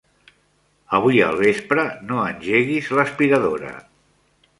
Avui al vespre no engeguis l'aspiradora.